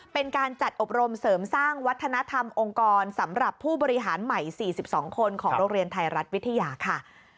เป็นการจัดอบรมเสริมสร้างวัฒนธรรมองค์กรสำหรับผู้บริหารใหม่๔๒คนของโรงเรียนไทยรัฐวิทยาค่ะ